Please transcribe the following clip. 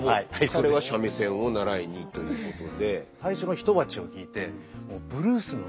彼は三味線を習いにということで。